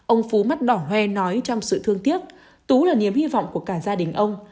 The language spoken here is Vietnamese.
ông phú mắt đỏ he nói trong sự thương tiếc tú là niềm hy vọng của cả gia đình ông